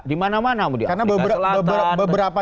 di mana mana karena beberapa